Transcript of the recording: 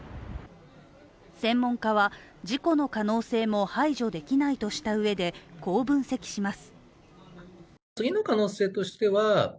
専門家は事故の可能性も排除できないとしたうえで、こう分析します。